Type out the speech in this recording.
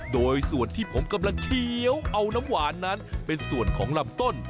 โดยส่วนที่ผมกำลังเคี้ยวเอาน้ำหวานนั้นเป็นส่วนของลำต้น